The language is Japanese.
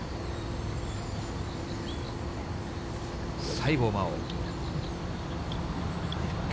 西郷真央。